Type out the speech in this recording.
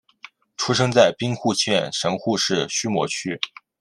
出生在兵库县神户市须磨区。